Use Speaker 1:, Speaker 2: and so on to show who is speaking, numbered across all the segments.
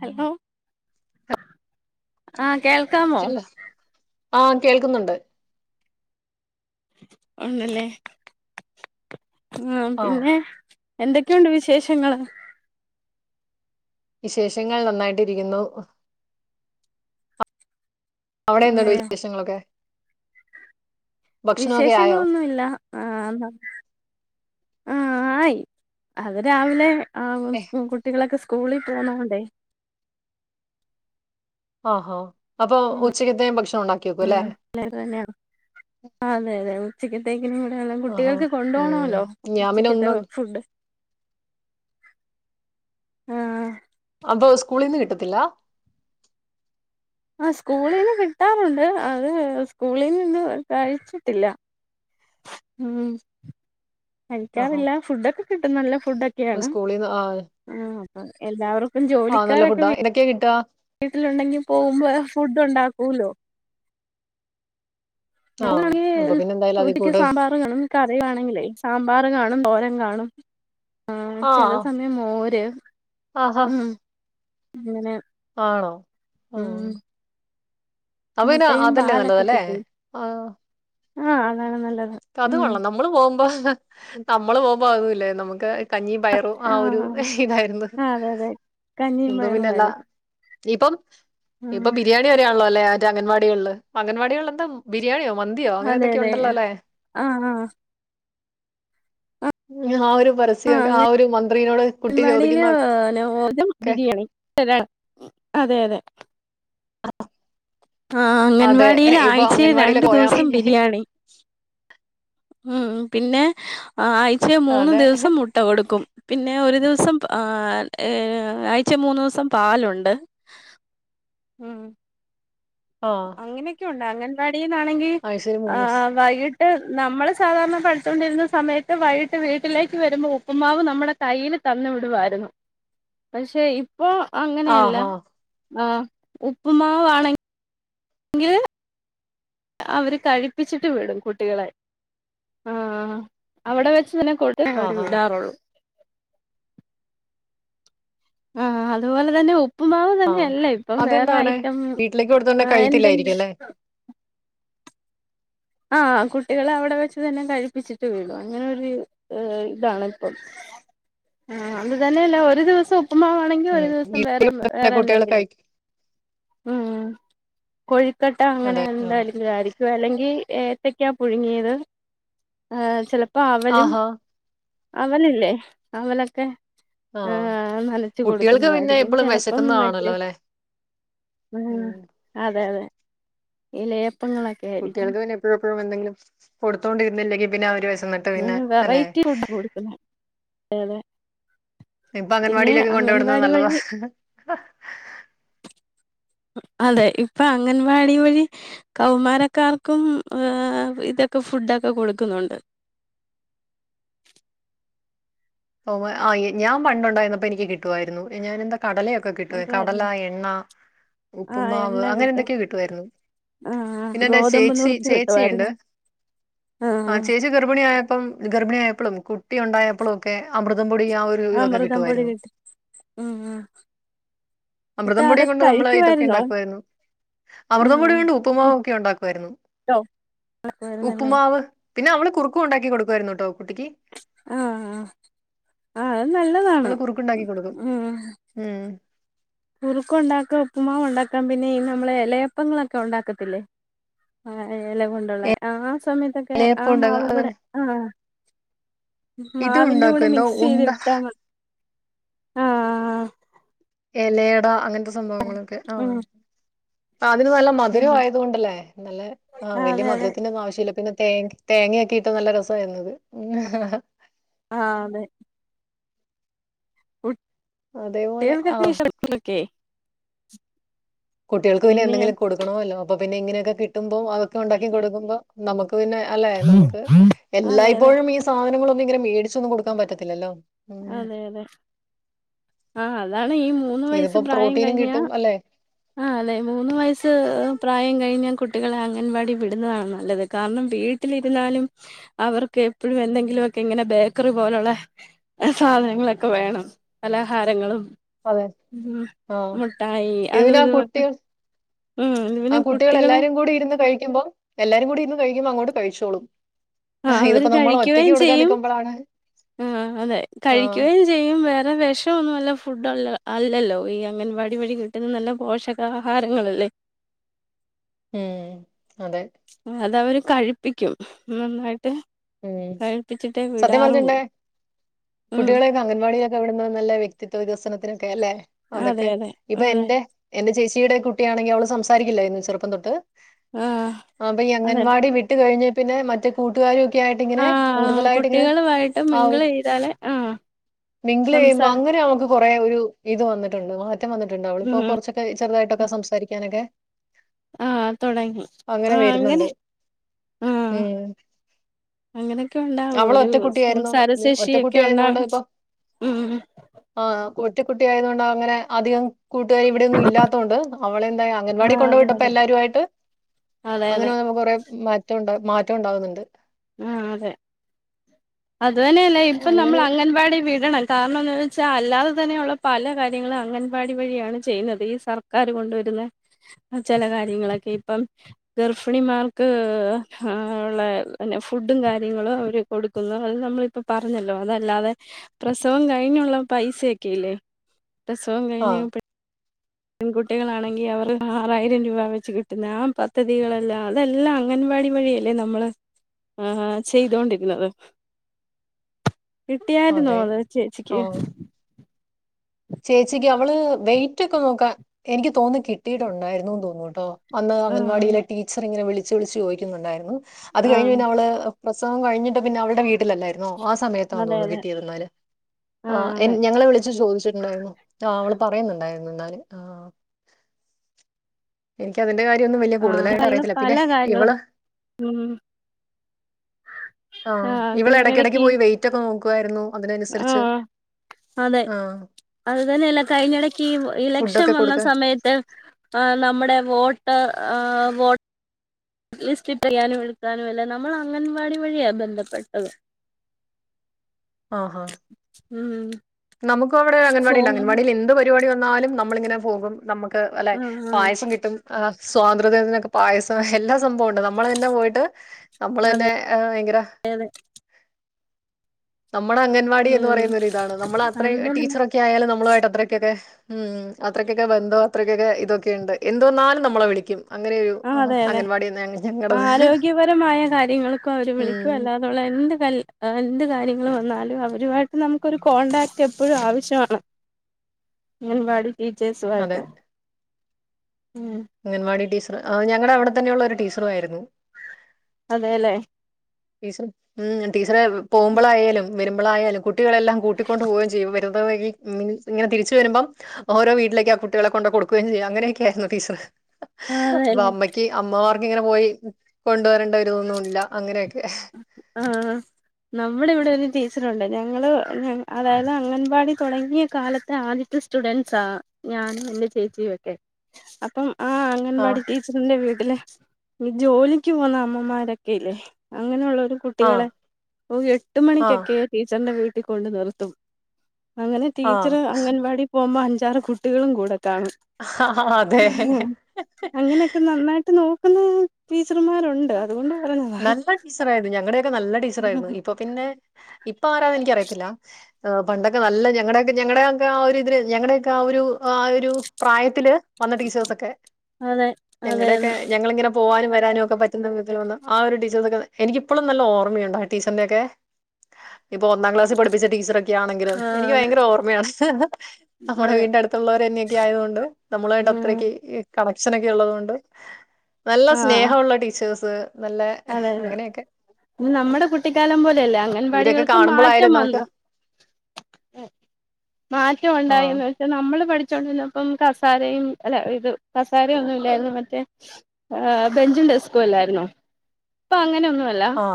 Speaker 1: Hello ആഹ് കേൾ ക്കാമോ
Speaker 2: ആഹ്കേൾക്കുന്നുണ്ട്
Speaker 1: ഉണ്ടല്ലേ ആ
Speaker 2: ആഹ്
Speaker 1: പിന്നെ എന്തൊക്ക? ഒക്കെയുണ്ട് വിശേഷങ്ങള്
Speaker 2: വിശേഷങ്ങൾ നന്നായിട്ടിരിക്കുന്നു. അവിടെ എന്തുണ്ട്
Speaker 1: അതെ
Speaker 2: വിശേഷങ്ങളൊക്കെ? ഭക്ഷണൊക്കെ ആയോ
Speaker 1: വിശേഷങ്ങളൊന്നുല്ല ആ ആ ആയി അത് രാവിലെ ആ
Speaker 2: ഏഹ്
Speaker 1: [unintelligible] കുട്ടികളൊക്കെ സ് കൂളിൽ പോന്നോണ്ടേ
Speaker 2: ആ ഹാ അപ്പൊ
Speaker 1: ഉം
Speaker 2: ഉച്ചക്കത്തയും ഭക്ഷണം ഉണ്ടാക്കി
Speaker 1: ഉം
Speaker 2: വെക്കുല്ലേ
Speaker 1: എല്ലാരും ഉച്ചക്കത്തെ [unintelligible] കുട്ടികൾക്ക് കൊണ്ടുപോണല്ലോ
Speaker 2: ഞാൻ പിന്നെ
Speaker 1: ഉച്ചക്കത്തെ
Speaker 2: ഒന്നും
Speaker 1: ഫുഡ് ആ
Speaker 2: അപ്പൊ സ്കൂളിൽ നിന്ന് കിട്ടത്തില്ല
Speaker 1: ആ സ്കൂളീന്ന് കിട്ടാറുണ്ട് അത് സ്കൂളിൽ നിന്ന് കഴിച്ചിട്ടില്ല ഊം
Speaker 2: ആഹാ
Speaker 1: കഴിക്കാറില്ല ഫുഡൊക്കെ കിട്ട [unintelligible] ഫുഡൊക്കെയാണ്
Speaker 2: സ്കൂളിന്ന് ആഹ്
Speaker 1: ആ അപ്പ എല്ലാവർക്കും
Speaker 2: ആഹ് നല്ല
Speaker 1: ജോലിക്കാരൊക്കെ
Speaker 2: ഫുഡാ ഏതൊക്കെയാ കിട്ടാ
Speaker 1: വീട്ടിലുണ്ടെങ്കി പോകുമ്പോ ഫുഡ് ഉണ്ടാക്കൂലോ
Speaker 2: ആഹ് അപ്പൊ
Speaker 1: [unintelligible]
Speaker 2: പിന്നെ എന്തായാലും അതി
Speaker 1: ഉച്ചക്ക്
Speaker 2: കൂട്ട്
Speaker 1: സാമ്പാർ കാണും കറ കാണെങ്കിലേ സാമ്പാർ കാണും തോരം കാണും ആ ചെല
Speaker 2: ആഹ്
Speaker 1: സമയം മോര്
Speaker 2: ആഹാ
Speaker 1: ഉം ഇങ്ങനെ
Speaker 2: ആണോ
Speaker 1: ഉം
Speaker 2: അവന്
Speaker 1: മുട്ടയും
Speaker 2: അതല്ലേ
Speaker 1: പാലൊക്കെ
Speaker 2: നല്ലതല്ലേ
Speaker 1: കിട്ടും
Speaker 2: ആ
Speaker 1: ആഹ് അതാണ് നല്ല
Speaker 2: അത് കൊള്ളാം നമ്മള് പോകുമ്പോ നമ്മള് പോകുമ്പ അതൊന്നുല്ല നമുക്ക് കഞ്ഞിയും, പയറും ആ
Speaker 1: ആഹ്
Speaker 2: ഒരു
Speaker 1: ആഹ്
Speaker 2: ഇതായിരുന്നു
Speaker 1: അതെ അതെ കഞ്ഞിയും
Speaker 2: ഇപ്പം
Speaker 1: പയറും
Speaker 2: പിന്നെല്ലാ
Speaker 1: ആയിരുന്നു
Speaker 2: ഇപ്പം
Speaker 1: ഉം
Speaker 2: ഇപ്പൊ ബിരിയാണി വരെ ആണല്ലോ അല്ലെ അംഗൻവാടികളിൽ എന്താ ബിരിയാണിയോ? മന്തിയോ അങ്ങനെ എന്തൊക്കെയ ഉണ്ടല്ലോ അല്ലേ
Speaker 1: ആ ആ
Speaker 2: ആ ഒരു പരസ്യം
Speaker 1: ആഹ്
Speaker 2: ക്കെ ആ ഒരു മന്ത്രിനോട് കുട്ടി
Speaker 1: അംഗൻവാടിയില്
Speaker 2: ചോദിക്കുന്ന
Speaker 1: [unintelligible] അതെ അതെ [unintelligible] ആ
Speaker 2: അതെ
Speaker 1: അംഗൻവാടീല്
Speaker 2: ഇപ്പൊ
Speaker 1: ആഴ്ച രണ്ടു
Speaker 2: അംഗൻവാടിയിലൊക്കെ പോയാ
Speaker 1: ദിവസം
Speaker 2: മതി
Speaker 1: ബിരിയാണി ഉം പിന്നെ ആ ആഴ്ച മൂന്ന്
Speaker 2: അതെ
Speaker 1: ദിവസം മുട്ട കൊടുക്കും പിന്നെ ഒരു ദിവസം ദിവസം ആ ഏ ആഴ്ച മൂന്ന് ദിവസം പാലുണ്ട് ഉം
Speaker 2: ആ
Speaker 1: അങ്ങനെയൊക്കെ ഒണ് അംഗൻവാട് ന്നാണെങ്കീ
Speaker 2: ആഴ്ചയിൽ
Speaker 1: ആ
Speaker 2: മൂന്ന് ദിവസം
Speaker 1: വൈകിട്ട് നമ്മൾ സാധാരണ പടുത്തുകൊണ്ടിരുന്ന സമയത്ത് വൈകിട്ട് വീട്ടിലേക്ക് വരുമ്പോൾ ഉപ്പു്മാവ് നമ്മുടെ കയ്യിൽ തന്ന വിടുവമായിരുന്നു പക്ഷേ ഇപ്പൊ അങ്ങനെയല്ല
Speaker 2: ആഹാ
Speaker 1: ആഹ ഉപ്പുമാവവാണെങ്കി ങ്ക് അവര് കഴിപ്പിച്ചിട്ട് വിടും കുട്ടികളെ ആഹ് അവടെ വെച്ച് തിനെക്കോട്ടെ
Speaker 2: ആഹാ ആ
Speaker 1: ഒരു
Speaker 2: ഹാ
Speaker 1: ഇടാറുള്ളൂ. ആഹ് അത് പോലെതെന്നെ ഉം ഉപ്പ്മാവ്
Speaker 2: ആ
Speaker 1: തന്നെയല്ല ഇപ്പം.
Speaker 2: അതെന്താ
Speaker 1: വേറെ
Speaker 2: അങ്ങനെ
Speaker 1: അയ്റ്റം
Speaker 2: വീട്ടിലേക്ക് കൊടുത്തോണ്ട്
Speaker 1: ആഹ് എന്തെൻ
Speaker 2: കഴിക്കത്തില്ലായിരിക്കും അല്ലേ
Speaker 1: ആഹ് ആ കുട്ടികളെ അവിടെ വെച്ച് തന്നെ കഴിപ്പിച്ചിട്ട് വിടു അങ്ങനെ ഒരു ഇ ഇതാണ് ഇപ്പം ആ അത് തന്നെയല്ല ഒരു ദിവസം ഉ ഉപ്പ്മാവാണെങ്കി ഒരു
Speaker 2: ഉം
Speaker 1: ദിവസം വേറെ
Speaker 2: വീട്ടിലെ
Speaker 1: വേറെ
Speaker 2: കുട്ടികൾ
Speaker 1: എന്തെങ്കിലും
Speaker 2: കഴിക്കും
Speaker 1: ഉം. കൊഴി ക്കട്ട അങ്ങനെ
Speaker 2: അതെ ആ
Speaker 1: എന്തേലുവാരിക്കും അല്ലെങ്കി ഏത്തക്കാ പുഴുങ്ങിയത് എഹ് ചെല‌പ്പ് ഇപ്പാ അവലും
Speaker 2: ആഹാ
Speaker 1: അവലില്ലേ അവലെക്കെ ആ നനച്ചു
Speaker 2: കുട്ടികൾക്ക് പിന്നെ
Speaker 1: കൊടുക്കുന്നതായിരിക്കും
Speaker 2: എപ്പളും
Speaker 1: ചിലപ്പം മറ്റേ
Speaker 2: വിശക്കുന്നതാണല്ലോ അല്ലെ
Speaker 1: ഉം അതെ അതെ ഇലയപ് പ്പങ്ങളൊക്കെ ആയിരിക്കും
Speaker 2: കുട്ടികൾക്ക് പിന്നെ എപ്പഴും എപ്പഴും എന്തെങ്കിലും കൊടുത്തുകൊണ്ടിരുന്നില്ലെങ്കി പിന്നെ അവര് വിശ
Speaker 1: ഞാൻ വെറൈറ്റി ഫുഡ്ഡാ കൊടുക്കുന്നേ എതെ
Speaker 2: ഇപ്പൊ അംഗൻവാടിയിലൊക്കെ കൊണ്ടെ വിടുന്നത്
Speaker 1: അംഗൻവാടി
Speaker 2: നല്ലതാ
Speaker 1: വഴി അതെ ഇപ്പൊ അംഗൻവാടി വഴി കൗമാരക്കാർക്കും ആ ഇതൊക്കെ ഫുഡൊക്കെ കൊടുക്കുന്നുണ്ട്
Speaker 2: ആ ഞാൻ പണ്ടുണ്ടായിരന്നപ്പോ എനിക്ക് കിട്ടുവായിരുന്നു ഞാനെന്താ കടലയൊക്കെ കിട്ടുവെ കടല
Speaker 1: എന്തുവായിരുന്നു
Speaker 2: എണ്ണ
Speaker 1: ആഹ്
Speaker 2: ഉപ്പുമാവ്
Speaker 1: എണ്ണ
Speaker 2: അങ്ങനെ
Speaker 1: കിട്ടും
Speaker 2: എന്തൊക്കെയോ കിട്ടുവായിരുന്നു
Speaker 1: ആഹ്
Speaker 2: പിന്നെ എൻറെ
Speaker 1: ഗോതമ്പ്
Speaker 2: ചേച്ചി
Speaker 1: നുറുക്ക്
Speaker 2: ചേച്ചിയുണ്ട്
Speaker 1: കിട്ടുമായിരുന്നു
Speaker 2: ആ
Speaker 1: ആഹ്
Speaker 2: ചേച്ചി ഗർഭിണിയ ആയപ്പം ഗർഭിണി ആയപ്പ്ളും കുട്ടി ഉണ്ടായപ്പോള് ക്കെ അമൃതം പൊടി ആ ഒരു ഇതൊക്കെ
Speaker 1: അമൃതം പൊടി
Speaker 2: കിട്ടുവായിരുന്നു
Speaker 1: കിട്ടും ഉം ഉം എന്നിട്ട്
Speaker 2: അമൃതം പൊടിയും
Speaker 1: അതൊക്കെ
Speaker 2: കൊണ്ട് നമ്മള് ഇതൊക്കെ
Speaker 1: കഴിക്കുവായിരുന്നോ
Speaker 2: ഉണ്ടാക്കായിരുന്നു
Speaker 1: ഉം
Speaker 2: അമൃതം പൊടി
Speaker 1: ഉം
Speaker 2: കൊണ്ട്
Speaker 1: പുട്ടോ
Speaker 2: ഉപ്പുമാവൊക്കെ ഉണ്ടാക്കു ആയിരുന്നു
Speaker 1: ആക്കുവായിരുന്നല്ലേ
Speaker 2: ഉപ്പുമാവ് പിന്നെ നമ്മള് കുറുക്കും ഉണ്ടാക്കി കൊടുക്കുവായിരുന്നു ട്ടോ കുട്ടിക്ക്
Speaker 1: ആഹ് ആഹ് ആഹ് അത് നല്ലതാണ്.
Speaker 2: അവള് കുറുക്കുണ്ടാക്കി കൊടുക്കും
Speaker 1: ഉം
Speaker 2: ഉം
Speaker 1: കുറുക്ക് ഉണ്ടാക്കാം ഉപ്പ്മാവ് ഉണ്ടാക്കാം പിന്നെ ഈ നമ്മളെ എലയപ്പങ്ങളൊക്കെ ഉണ്ടാക്കത്തില്ലേ അതെ ഇല കൊണ്ടുള്ള ആ സമയത്തൊക്കെ ആ
Speaker 2: ഇലയപ്പം
Speaker 1: മാവിൻ
Speaker 2: ഉണ്ടാക്കും
Speaker 1: കൂടെ ആ
Speaker 2: ഇത്
Speaker 1: മാവിന്റെ
Speaker 2: ഉണ്ടാക്കും
Speaker 1: കൂടെ
Speaker 2: എന്തോ
Speaker 1: മിക്സ് ചെയ്ത്
Speaker 2: ഉണ്ട
Speaker 1: ഇട്ടാ മതി ആ
Speaker 2: എലേട അങ്ങനെ സംഭവങ്ങളൊക്കെ ആ
Speaker 1: ഉം
Speaker 2: ആഹ് അതിന് നല്ല
Speaker 1: ഉം
Speaker 2: മധുരം ആയതുകൊണ്ടല്ലേ നല്ല വലിയ
Speaker 1: അതെ അതെ
Speaker 2: മധുരത്തിന്റെ ഒന്നു ആവശ്യമില്ല പിന്നെ തേ തേങ്ങയക്കൊയിട്ട് നല്ല രസവാരുന്നത്
Speaker 1: ആഹ് അതെ [inaudible]
Speaker 2: അതേപോലെ ആഹ്
Speaker 1: [inaudible]
Speaker 2: കുട്ടികൾക്ക് പിന്നെ എന്തെങ്കിലും കൊടുക്കണ വല്ലോ അപ്പ പിന്നെ ഇങ്ങനെയൊക്കെ കിട്ടുമ്പോ അതൊക്കെ ഉണ്ടാക്കി കൊടുക്കുമ്പം നമുക്ക് പിന്നെ അല്ലെ നമുക്ക്
Speaker 1: അതെ അതെ
Speaker 2: എല്ലായ്പ്പോഴും ഈ സാധനങ്ങൾ ഇങ്ങനെ മേടിച്ചൊന്നും കൊടുകാൻ പറ്റത്തില്ലല്ലോ ഉം
Speaker 1: അതെ അതെ ആഹ് അ അതാണ് മൂന്നു വയസ്സ്
Speaker 2: ഇതിപ്പോ
Speaker 1: പ്രായം
Speaker 2: പ്രോട്ടീനും
Speaker 1: കഴിഞ്ഞാൽ
Speaker 2: കിട്ടും അല്ലെ
Speaker 1: ആഹ് അതെ മൂന്ന് വയസ്സ് പ്രായം കഴിഞ്ഞൽ കുട്ടികളെ അംഗൻവാടി വിടുന്നതാണ് നല്ലത് കാരണം വീട്ടിലിരുന്നാലും അവർക്ക് എപ്പോഴും എന്തെങ്കിലും ഒക്കെ ഇങ്ങനെ ബേക്കറി പോലുള്ള സാധനങ്ങളൊക്കെ വേണം പലഹാരങ്ങളും
Speaker 2: അതെ
Speaker 1: ഉം
Speaker 2: ആഹ്
Speaker 1: മുട്ടായി
Speaker 2: ഇത്
Speaker 1: അതും
Speaker 2: പിന്നെ ആ കുട്ടി
Speaker 1: ഇതുമൊക്കെ ഉം
Speaker 2: ആ
Speaker 1: പിന്നെ കുട്ടികളെ
Speaker 2: കുട്ടികളല്ലാരും കൂടി ഇരുന്ന് കഴിക്കുമ്പോം എല്ലാരും കൂടി ഇരുന്ന് കഴിക്ക [unintelligible] കഴിച്ചോളും
Speaker 1: ആ അവര്
Speaker 2: ഇതിപ്പോ നമ്മൾ ഒറ്റയ്ക്ക്
Speaker 1: കഴിക്കുകയും
Speaker 2: കൊടുക്കാൻ
Speaker 1: ചെയ്യും
Speaker 2: നിക്കുമ്പോഴാണ്
Speaker 1: ആ അതെ
Speaker 2: ആഹ്
Speaker 1: കഴിക്കുകയും ചെയ്യും വേറെ വെഷംന്നുമല്ല ഫുഡ് ഫുഡ് അല്ലല്ലോ ഈ അംഗൻവാടി വഴി കിട്ടുന്ന നല്ല പോഷകാഹാരങ്ങളല്ലേ
Speaker 2: ഹും
Speaker 1: അത അവര് കഴിപ്പിക്കും നന്നായി
Speaker 2: ഉം സത്യം
Speaker 1: വിടാറുള്ളൂ.
Speaker 2: പറഞ്ഞിണ്ടേ
Speaker 1: ഉം.
Speaker 2: കുട്ടികളക്കെ അംഗൻവാടിയിലാ ക്ക അവിടന്ന് നല്ല വ്യക്തിത്വ വികസനത്തിനൊക്കെ അല്ലെ.
Speaker 1: അതെ,
Speaker 2: അതൊക്കെ
Speaker 1: അതെ.
Speaker 2: ഇപ്പ
Speaker 1: അതെ.
Speaker 2: എൻറെ എന്റെ ചേച്ചി ച്ചിയുടെ കുട്ടിയാണെങ്കിൽ അവള് സംസാരിക്കില്ലായിരുന്നു ചെറുപ്പം തൊട്ട്
Speaker 1: ആ.
Speaker 2: അപ്പൊ ഈ
Speaker 1: അതെ.
Speaker 2: അംഗൻവാടി വിട്ട് കഴിഞ്ഞ് പിന്നെ മറ്റേ കൂട്ടുകാരും ക്കെയായിട്ട്
Speaker 1: ആ,
Speaker 2: ഇങ്ങനെ കൂടുതലായിട്ട് ഇങ്ങനെ
Speaker 1: കുട്ടികളുമായിട്ട്
Speaker 2: ആ
Speaker 1: മിങ്കിൾ
Speaker 2: ഒരു
Speaker 1: ചെയ്താലേ ആ,
Speaker 2: മിംഗിൾ ചെയ്യുമ്പോ
Speaker 1: സംസാരം
Speaker 2: അങ്ങനെ അവക്ക് പ്പം കുറേ ഒരു ഇത് വന്നിട്ടുണ്ട് മാ റ്റം വന്നിട്ടുണ്ട് അവളിപ്പോ
Speaker 1: മ്ഹ്.
Speaker 2: കൊറച്ചോക്കെ ചെറുതായിട്ടൊക്കെ സംസാരിക്കാനൊക്കെ
Speaker 1: ആഹ് തുടങ്ങി ആ അങ്ങനെ ആഹ്.
Speaker 2: ഉം
Speaker 1: അങ്ങനൊക്കെ ഉണ്ടാവും
Speaker 2: അവള്
Speaker 1: ഒരു
Speaker 2: ഒറ്റക്കുട്ടിയായിരുന്നു
Speaker 1: സംസാര ശേഷിയൊക്കെ
Speaker 2: ഒറ്റക്കുട്ടിയായിരുന്നോണ്ട്
Speaker 1: ഉണ്ടാവും ഉം.
Speaker 2: കൊറ്റക്കുട്ടി ആയത് കൊണ്ട് അങ്ങനെ അധികം കൂട്ടുകാര് ഇവിടെയൊന്നും ഇല്ലാത്തോണ്ട് അവളെ എന്തായി
Speaker 1: ആ,
Speaker 2: അംഗൻവാടി കൊണ്ട്
Speaker 1: അതെ,
Speaker 2: വിട്ടപ്പോ
Speaker 1: അതെ.
Speaker 2: എല്ലാരു വായിട്ട്
Speaker 1: അതെ,
Speaker 2: അങ്ങനെ
Speaker 1: അതെ.
Speaker 2: കൊറേ മാറ്റവുണ്ട്. മാറ്റം ഉണ്ടാകുന്നുണ്ട്
Speaker 1: ആ അതെ അ അതു തന്നെയല്ലേ ഇപ്പം നമ്മൾ
Speaker 2: അങ്ങനെ
Speaker 1: അംഗൻവാടി വിടണം കാരണം എന്ത വെച്ചാൽ അല്ലാതെ തന്നെയുള്ള പല കാര്യങ്ങളും അംഗൻവാടി വഴിയാണ് ചെയ്യുന്നത് ഈ സർക്കാർ കൊണ്ടുവരുന്ന ചെല കാര്യങ്ങളൊക്കെ ഇപ്പം ഗർഭിണിമാർക്ക് ആ ഉള്ള പിന്നെ ഫുഡും കാര്യങ്ങളും അവര് കൊടുക്കുന്നു അത് നമ്മളിപ്പോ പറഞ്ഞല്ലോ അതല്ലാതെ പ്രസവം കഴിഞ്ഞുള്ള പൈസൊക്കെ ഇല്ലേ പ്രസവം
Speaker 2: ആ
Speaker 1: കഴിഞ്ഞ് പെട്ട പെൺകുട്ടികളാണെങ്കി അവർ ആറായിരം രൂപ വെച്ച് കിട്ടുന്ന ആ പദ്ധതികളല്ലാം അതെല്ലാം അംഗൻവാടി വഴിയല്ലേ നമ്മള് ആ ചെയ്തൊണ്ടിരുന്നത് കിട്ടിയായിരുന്നോ
Speaker 2: അതെ
Speaker 1: അത്
Speaker 2: ആ
Speaker 1: ചേച്ചിക്ക്
Speaker 2: ചേച്ചിക്ക് അവള് വെയിറ്റ് ഒക്കെ നോക്കാ എനിക്ക് തോന്നുന്നു കിട്ടിയിട്ടുണ്ടായിരുന്നുന്ന് തോന്നൂട്ടോ അന്ന്
Speaker 1: ആഹ്
Speaker 2: അംഗൻവാടിയിലെ ടീച്ചർ ഇങ്ങനെ വിളിച്ച വിളിച്ച് വിളിച്ച് ചോദിക്കുന്നുണ്ടായിരുന്നു അത് കഴിഞ്ഞ്
Speaker 1: ആഹ്
Speaker 2: പിന്നെ അവള് പ്രസവം കഴിഞ്ഞിട്ട് പിന്നെ അവടെ വീട്ടിലല്ലായിരുന്നോ ആ സമയത്താ
Speaker 1: അതെ
Speaker 2: തോന്നുന്നു
Speaker 1: അതെ
Speaker 2: കിട്ടിയിരുന്നാല് ആ
Speaker 1: ആഹ് അതെ
Speaker 2: ഞങ്ങളെ വിളിച്ചു ചോദിച്ചി ആ അവള് പറയുന്നുണ്ടായിരുന്നു എന്നാന് ആഹ എനിക്കതിന് ല്ല്യ കാര്യമൊന്നും വല്യ
Speaker 1: ആഹ്
Speaker 2: കൂടുതലായിട്ട്
Speaker 1: കാര്യങ്ങള്
Speaker 2: അറിയത്തില്ല
Speaker 1: പല
Speaker 2: പിന്നെ
Speaker 1: കാര്യങ്ങളും
Speaker 2: ഇവള്
Speaker 1: ഉം
Speaker 2: ആ
Speaker 1: ആഹ്
Speaker 2: ഇവള് ഇടക്ക് ഇടക്ക് പോയി വെയിറ്റ് ഒക്കെ നോക്ക് വരുന്നു
Speaker 1: ആ അതെ
Speaker 2: ആഹ്
Speaker 1: അത് തന്നെല്ല കഴിഞ്ഞിടയ്ക്ക് ഈ ഇലക്ഷൻ
Speaker 2: ഫുഡൊക്കെ
Speaker 1: വന്ന
Speaker 2: കൊടുക്കാൻ
Speaker 1: സമയത്ത് ആ നമ്മുടെ വോട്ടർ ആ വോ ലിസ്റ്റ് ചെയ്യാനും എടുക്കാനും അല്ല നമ്മൾ അംഗൻവാടി വഴിയാ ബന്ധപ്പെട്ടത് ഉം
Speaker 2: നമുക്കിവിടെ അംഗൻവാടി ണ്ടായിരുന്നു
Speaker 1: ഫോൺ
Speaker 2: അംഗൻവാടിയിൽ ന്ത് പരിപാടി എന്നാലും നമ്മളിങ്ങനെ പോകും നമുക്ക് അല്ലെ
Speaker 1: ആഹ് ആഹ്
Speaker 2: പായസം കിട്ടും ആ സ്വാതന്ത്ര്യദിനനൊക്കെ പായസം എല്ലാ സംഭവുണ്ട് നമ്മള തന്നെ പോയിട്ട് നമ്മൾ
Speaker 1: അതെ
Speaker 2: തന്നെ ഭയങ്കര നമ്മുടെ അംഗൻവാടി എന്ന്
Speaker 1: ഉം
Speaker 2: പറയുന്നൊ ഇതാണ് നമ്മള അത്ര
Speaker 1: അത് തന്നെ
Speaker 2: ടീച്ചറൊക്കെ ആയാലും നമ്മളു ആട്ട് അത്രക്കൊക്കെ ഉം അത്രയ്ക്കൊക്കെ ബന്ധോ അത്രക്കൊക്കെ ഇതൊക്കെയ ഉണ്ട് എന്തന്നാലും നമ്മളെ വിളിക്കും അങ്ങനെയൊരു
Speaker 1: ആ അതെ അതെ
Speaker 2: അംഗൻവാടി തന്നെ ഞങ്ങ ഞങ്ങടത്.
Speaker 1: ആരോഗ്യപരമായ കാര്യങ്ങൾക്കും അവര്
Speaker 2: ഉം
Speaker 1: വിളിക്കും അല്ലാതുള്ള എന്ത് കല് എന്ത് കാര്യങ്ങൾ വന്നാലും അവരുമായിട്ട് നമുക്കൊരു കോൺടാക്ട് എപ്പോഴും ആവശ്യമാണ് ഞാൻ പാടി ച്ചേസ്
Speaker 2: അതെ
Speaker 1: വായിട്ട്
Speaker 2: അംഗൻവാടി ടീച്ച ഞങ്ങളുടെ അവിടെ തന്നെയുള്ള ഒരു ടീച്ചറുയിരുന്നു
Speaker 1: അതെല്ലേ
Speaker 2: ടീച്ചറ് ആ ടിച്ചറ് പോമ്പളായാലും വരുമ്പോളായാലും കുട്ടികളെല്ലാം കൂട്ടിക്കൊണ്ട് പോവുകയും ചെയ്യും വെ ഇങ്ങനെ തിരിച്ച വരുമ്പം ഓരോ വീട്ടിലേക്ക് ആ കുട്ടികള കൊടുക്കുക ചെയ്യും അങ്ങനൊക്കെയയിരുന്നു ആ ടീച്ചർ അപ്പൊ
Speaker 1: അതെല്ലേ
Speaker 2: അമ്മയ്ക്ക് അമ്മമാർക്ക് ഇങ്ങനെ പോയി കൊണ്ടുവരേണ്ട ഒരുന്നുമല്ല അങ്ങനെയൊക്കെ
Speaker 1: ആ നമ്മുടെ ഇവിടെ രു [unintelligible] ണ്ട് ഞങ്ങള് അതായത് അംഗൻവാടി തുടങ്ങിയ കാലത്ത് ആദ്യത്തെ സ്റ്റുഡൻസാ ഞാനും എൻ്റെ ചേച്ചിയുവെക്കെ അപ്പം ആ
Speaker 2: ആ
Speaker 1: അംഗവാടി ടീച്ചറിന്റെ വീ ഇജോലിക്ക് പോന്ന അമ്മമാരൊക്കെല്ലേ അങ്ങന ഒള്ളോര്
Speaker 2: ആഹ്
Speaker 1: കുട്ടികളെ ഓ എട്ട്
Speaker 2: ആഹ്
Speaker 1: മണിക്കൊക്കെ ടീച്ചറിന്റെ വീട്ട ട്ടിക്കൊണ്ട് നിർത്തും അങ്ങനെ ടീച്ചർ
Speaker 2: ആഹ്
Speaker 1: അംഗൻവാടി പോമ്പം അ [unintelligible] കുട്ടികളും കൂടെ
Speaker 2: അതെ
Speaker 1: അങ്ങനെയൊക്കെ നന്നായിട്ട് നോ ച്ചർമാരുണ്ട് അതുകൊണ്ട് പറഞ്ഞത
Speaker 2: [unintelligible] ഞങ്ങടെ നല്ല ടീച്ചർ ആയിരുന്നു ഇപ്പൊ പിന്നെ ഇപ്പ ആരാന്നെനിക്കറിയത്തില്ല പണ്ടൊക്കെ നല്ല ഞങ്ങളടെക്കെ ഞങ്ങളടെക്കെ ആ ഒരിതില് ഞങ്ങളടെൊക്കെ ആ ഒരു ആ ഒരു പ്രായത്തില് വന്ന ടീച്ചേഴ്സൊക്കെ
Speaker 1: അതെ അതെ അതെ
Speaker 2: ഞങ്ങടെക്കെ ഞങ്ങളിങ്ങനെ പോവാനും വരാനും ഒകെ പ വന്ന ആ ഒരു ടീച്ചർന്നൊക്കെ എനിക്കിപ്പളും നല്ല ഓർമ്മയുണ്ടാ ടീച്ചറിന്റെക്കെ ഇപ്പൊ ഒന്നാം ക്ലാസ്സി പഠിപ്പിച്ച ടീച്ചറൊക്കെ ആണെങ്കിലും എനിക്ക്
Speaker 1: ആഹ് അതെ
Speaker 2: ഭയങ്കര ഓർമ്മയാണ് ഹ്ഹ് നമ്മുടെ
Speaker 1: അതെ
Speaker 2: വീടിന്റെ അടുത്തുള്ളോര്ന്നെക്കെയായതുകൊണ്ട് നമ്മളുവായിട്ട്
Speaker 1: ഉം
Speaker 2: അത്രയ്ക്ക് കണക്ഷൻ ഒക്കെ ഉള്ളത് കൊണ്ട് നല്ല
Speaker 1: ആഹ്
Speaker 2: സ്നേഹമുള്ള ടീ [unintelligible]
Speaker 1: അതെ അതെ ഇത് നമ്മുടെ കുട്ടിക്കാലം പോലെയല്ലേ
Speaker 2: ഇവരൊക്കെ
Speaker 1: അംഗൻവാടികൾക്കും മാറ്റം
Speaker 2: കാണുമ്പോളായാലും നമുക്ക്
Speaker 1: വന്ന് മാറ്റം
Speaker 2: ആ
Speaker 1: ഉണ്ടായിന്ന് വെച്ചാ നമ്മള് പഠിച്ച ണ്ടിന്നപ്പം കസാരയും അല്ല ഇത് കസാര ഒന്നുംല്ലായിരുന്നു മറ്റേ ബെഞ്ചും ഡെസ്കും അല്ലായിരുന്നോ പ്പ അങ്ങനൊന്നു ല്ല
Speaker 2: ആ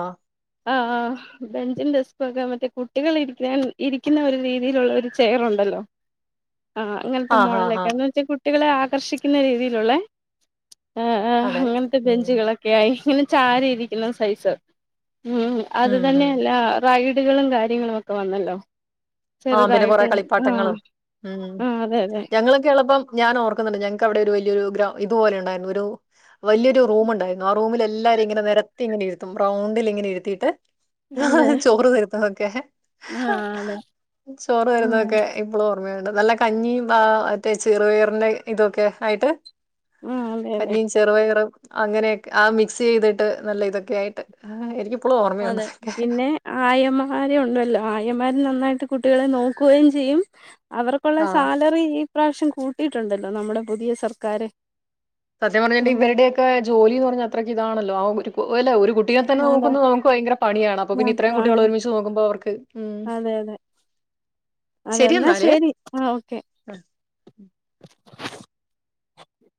Speaker 1: ആആ ബെഞ്ചുംഡെസ്കുവൊക്കെ മറ്റേ കുട്ടികൾ ഇരിക്കാൻ ഇരിക്കുന്ന ഒരു രീതിയിലുള്ള ഒരു ചെയറുണ്ടല്ലോ ആ അങ്ങനത്തെ
Speaker 2: ആ ഹാ ഹാ
Speaker 1: മോഡലൊക്കൊ ന്ന്ച്ച കുട്ടികളെ ആകർഷിക്കുന്ന രീതിയിലുള്ളെ ആ ആ
Speaker 2: അതെ
Speaker 1: അങ്ങനത്തെ
Speaker 2: ഉം
Speaker 1: ബെഞ്ചുകളൊക്കെ ആയി. ചാരിരിക്കുന്ന സൈസ്. ഉം അത്
Speaker 2: ഉം ഉം
Speaker 1: തന്നെയല്ല റൈ ഡുകളും കാര്യങ്ങളും ഒക്കെ വന്നല്ലോ.
Speaker 2: ആ പിന്നെ കൊറെ
Speaker 1: ചെറുതായിട്ട് ആഹ്
Speaker 2: കളിപ്പാട്ടങ്ങളും ഉം
Speaker 1: ആഹ് അതെ അതെ
Speaker 2: ഞങ്ങളൊക്കെള്ളപ്പം ഞാൻ ഓർക്കുന്നുണ്ട് ഞങ്ങക്ക് അവിടെ ഒരു വലിയൊരു ഗ്ര ഇതുപോലെ ഉണ്ടായിരുന്നു ഒരു വല്യൊരു റൂമുണ്ടായിന്നു ആ റൂമിൽ എല്ലാരിം ഇങ്ങനെ നെരത്തി ഇങ്ങനെ ഇരുത്തും റൗണ്ടില് ഇങ്ങനെ ഇര്ത്തീട്ട്.
Speaker 1: അതെ
Speaker 2: ചോറ് തരും. ഓക്കെ
Speaker 1: ആഹ് അതെ.
Speaker 2: ചോറ്
Speaker 1: ആഹ്
Speaker 2: തരുന്നതൊക്കെ ഇപ്പളോ ഓർമയുണ്ട് നല്ല കഞ്ഞിയും ആ മറ്റേ ചെറുപയറിന്റെ ഇതൊക്കെ ആയിട്ട്
Speaker 1: ആഹ് അതെ അതെ
Speaker 2: കഞ്ഞീം ചെറുപയറും. അങ്ങനെയൊക്കെ ആ മിക്സ് ചെയ്തിട്ട്, നല്ല ഇതൊക്കെ ആയിട്ട് എനിക്ക്
Speaker 1: അതെ, പിന്നെ ആയമാരുണ്ടല്ലോ ആയമാര് നന്നായിട്ട് കു കുട്ടികളെ നോക്കുവേം ചെയ്യും അവർക്കൊള്ള
Speaker 2: ആ
Speaker 1: സാലറി ഇപ്രശം കൂട്ടിട്ടൊണ്ടല്ലോ നമ്മടെ പുതിയ സർക്കാര്
Speaker 2: സത്യം പറഞ്ഞലിവരുടെയൊക്കെ ജോലി ന്ന് പറഞ്ഞാ അത്രക്ക് ഇതാണല്ലോ ആ ഒരു [unintelligible] ഒരു കുട്ടിനെ തന്നെ
Speaker 1: അതെ അതെ
Speaker 2: നോക്കുന്നു നമുക്ക് ഭയങ്കര പണിയാണ് അപ്പൊ
Speaker 1: ആ,
Speaker 2: പിന്നെ ഇത്രേം കുട്ടികള്
Speaker 1: ആണ്.
Speaker 2: ഒരുമിച്ച് നോക്കുമ്പോ അവർക്ക് ഉം
Speaker 1: അതെ അതെ അതെ
Speaker 2: ശെരി
Speaker 1: എന്നാ
Speaker 2: എന്നാല്
Speaker 1: ശരി ആ ഓക്കെ
Speaker 2: ഉം